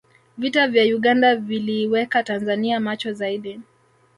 vita vya uganda viliiweka tanzania macho zaidi